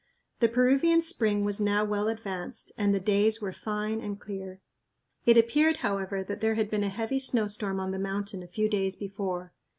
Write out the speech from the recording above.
The Peruvian spring was now well advanced and the days were fine and clear. It appeared, however, that there had been a heavy snowstorm on the mountain a few days before.